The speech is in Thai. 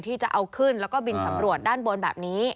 ที่จะเอาขึ้นแล้วก็บินสำรวจด้านบนแบบนี้